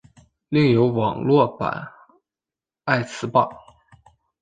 另有网络版爱词霸。